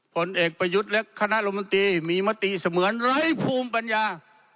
ผลเอกประยุทธ์และคณะรมนตรีมีมติเสมือนไร้ภูมิปัญญา